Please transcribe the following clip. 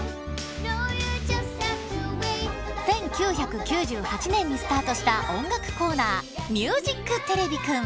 １９９８年にスタートした音楽コーナー「ミュージックてれびくん」。